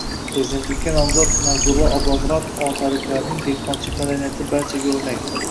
Prezidentlikka nomzod Narzullo Oblomurodov: “Oltiariqliklarning dehqonchilik madaniyati barchaga o‘rnak”